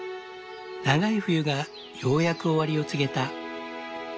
長い冬がようやく終わりを告げた。